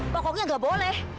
pokoknya gak boleh